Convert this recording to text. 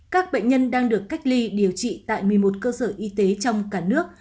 các bệnh nhân đang được cách ly điều trị tại một mươi một cơ sở y tế trong cả nước